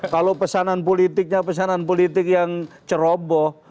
kalau pesanan politiknya pesanan politik yang ceroboh